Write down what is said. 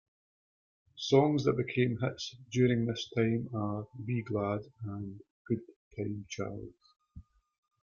Songs that became hits during this time are "Be Glad" and "Good Time Charlie's".